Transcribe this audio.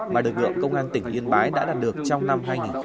mà được ngượng công an tỉnh yên bái đã đạt được trong năm hai nghìn một mươi năm